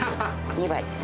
２倍？